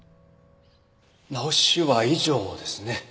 直しは以上ですね？